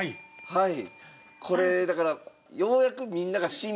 はい。